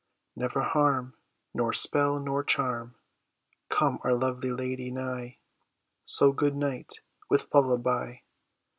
Never harm, Nor spell nor charm, Come our lovely lady nigh; So, good night, with lullaby.